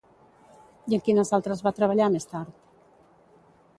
I en quines altres va treballar més tard?